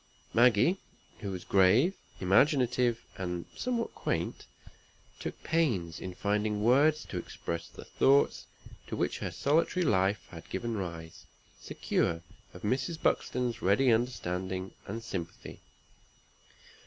Maggie, who was grave, imaginative, and somewhat quaint, took pains in finding words to express the thoughts to which her solitary life had given rise, secure of Mrs. Buxton's ready understanding and sympathy.